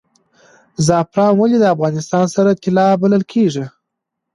زعفران ولې د افغانستان سره طلا بلل کیږي؟